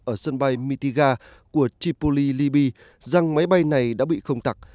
ở sân bay mitiga của tripoli libya rằng máy bay này đã bị không tặc